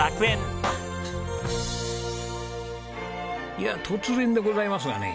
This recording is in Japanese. いや突然でございますがね